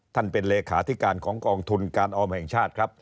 ท่านเป็นเลขาธิการของกองทุนการออมแห่งชาติครับ